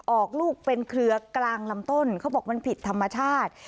ออกลูกเป็นเครือกลางลำต้นเขาบอกมันผิดธรรมชาติ